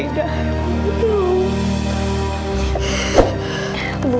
ibu anggap aku sebagai putri ibu